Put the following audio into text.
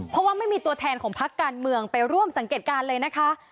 เพราะว่าไม่มีตัวแทนของพักการเมืองไปร่วมสังเกตการณ์เลยนะคะ